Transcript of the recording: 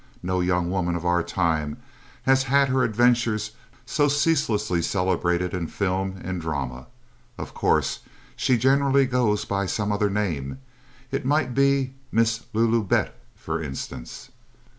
No young woman of our time has had her adventures so ceaselessly celebrated in film and drama. Of course, she generally goes by some other name. It might be "Miss Lulu Bett," for instance.